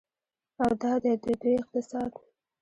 او دا دی د دوی اقتصاد.